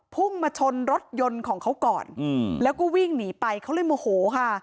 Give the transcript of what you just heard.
พุ่งมาชนรถยนต์ของเขาก่อนอืมแล้วก็วิ่งหนีไปเขาเลยโมโหค่ะ